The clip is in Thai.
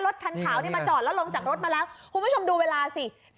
รถคันขาวนี่มาจอดแล้วลงจากรถมาแล้วคุณผู้ชมดูเวลาสิ